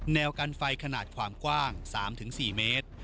แววกันไฟขนาดความกว้าง๓๔เมตร